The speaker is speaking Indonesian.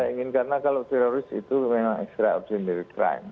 kita ingin karena kalau teroris itu memang ekstra objek mirip crime